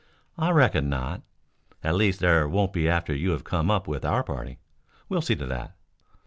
"I reckon not. At least there won't be after you have come up with our party. We'll see to that."